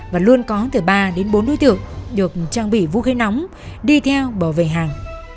và luôn có từ ba đến bốn đối tượng được trang bị vũ khí nóng đi theo bảo vệ hàng